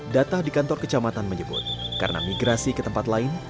data di kantor kecamatan menyebut karena migrasi ke tempat lain